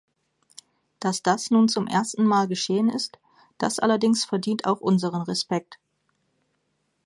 Dass das nun zum ersten Mal geschehen ist, das allerdings verdient auch unseren Respekt.